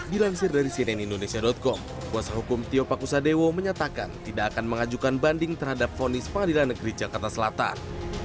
dilansir dari cnn indonesia com kuasa hukum tio pakusadewo menyatakan tidak akan mengajukan banding terhadap fonis pengadilan negeri jakarta selatan